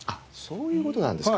そういう事なんですか。